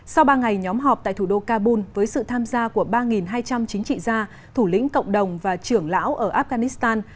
sau ba ngày nhóm họp tại thủ đô kabul với sự tham gia của ba hai trăm linh chính trị gia thủ lĩnh cộng đồng và trưởng lão ở afghanistan